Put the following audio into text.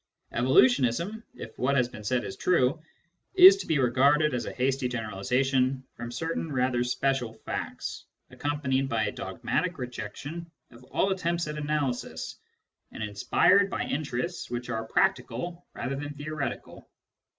Evolutionism, if what has been said is true, is to be regarded as a hasty generalisation from certain rather special facts, accompanied by a dogmatic rejection of all attempts at analysis, and inspired by interests which arc practical rather than theoretical.